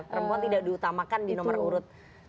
perempuan tidak diutamakan di nomor urut dua